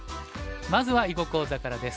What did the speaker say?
まずは囲碁講座からです。